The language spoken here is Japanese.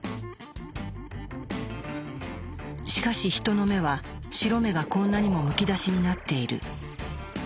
しかしヒトの目は白目がこんなにもむき出しになっている。